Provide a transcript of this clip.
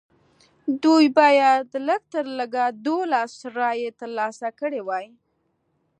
دوی باید لږ تر لږه دولس رایې ترلاسه کړې وای.